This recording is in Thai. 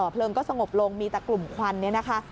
เพลิงก็สงบลงมีแต่กลุ่มควันเนี่ยนะคะ